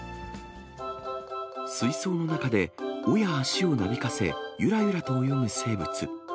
水槽の中で、尾や足をなびかせ、ゆらゆらと泳ぐ生物。